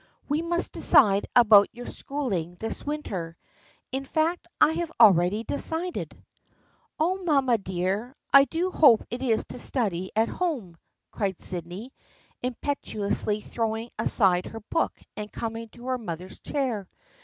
" We must decide about your school ing this winter. In fact, I have already decided !"" Oh, mamma dear, I do hope it is to study at home," cried Sydney, impetuously throwing aside her book and coming to her mother's chair.